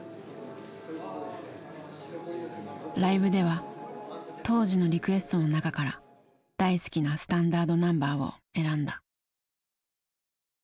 ライブでは当時のリクエストの中から大好きなスタンダードナンバーを選んだ。